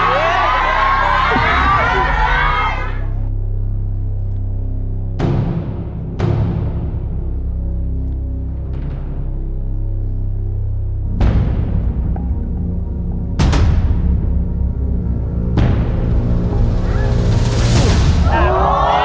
เอาแล้วเอาแล้ว